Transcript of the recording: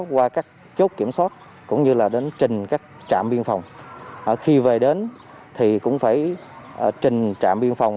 qua các chốt kiểm soát cũng như là đến trình các trạm biên phòng khi về đến thì cũng phải trình trạm biên phòng